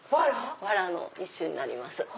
わらの一種になります。